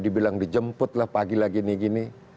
dibilang dijemputlah pagi lagi ini gini